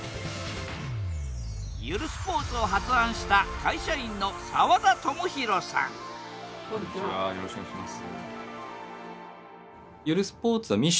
ゆるスポーツを発案した会社員のこんにちはよろしくお願いします。